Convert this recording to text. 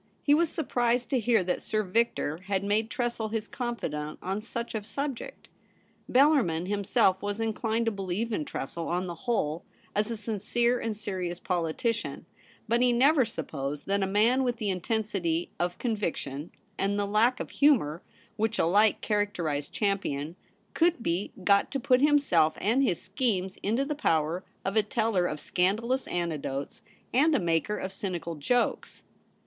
He was surprised to hear that Sir Victor had made Tressel his confidant on such a subject. Bel larmin himself was inclined to believe in Tressel on the whole as a sincere and serious politician ; but he never supposed that a man with the intensity of conviction and the lack of humour which alike characterized Champion could be got to put himself and his schemes fnto the power of a teller of scandalous anec dotes and a maker of cynical jokes.